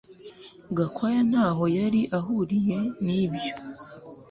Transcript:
Gakwaya ntaho yari ahuriye nibyo